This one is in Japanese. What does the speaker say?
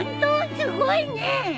すごいね！